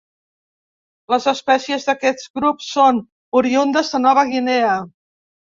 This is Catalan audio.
Les espècies d'aquest grup són oriündes de Nova Guinea.